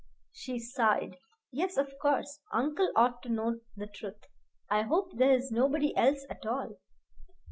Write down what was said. She sighed. "Yes, of course, uncle ought to know the truth. I hope there is nobody else at all."